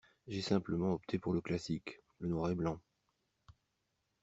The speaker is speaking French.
J’ai simplement opté pour le classique: le noir et blanc.